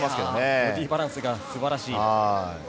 ボディーバランスが素晴らしい。